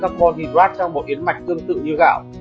carbon hydrate trong một yến mạch tương tự như gạo